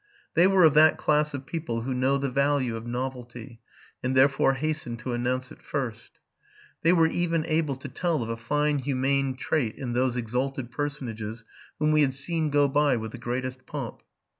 They were of that class of people who know the value of novelty, and therefore hasten to announce it first. They * RELATING TO MY LIFE. 161 were even able to tell of a fine humane trait in those exalted personages whom we had seen go by with the greatest pomp.